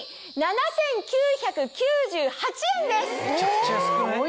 めちゃくちゃ安くない？